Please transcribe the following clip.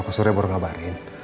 pak suri baru kabarin